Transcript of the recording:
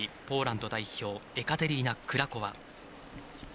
ポーランド代表エカテリーナ・クラコワ。